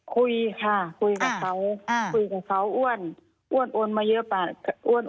คุยค่ะคุยกับเขาคุยกับเขาอ้วน